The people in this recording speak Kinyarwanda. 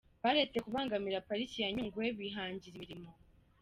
Baretse kubangamira Pariki ya Nyungwe bihangira imirimo